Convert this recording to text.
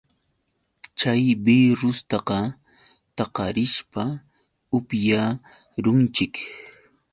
Chay birrustaqa takarishpa upyarunchik.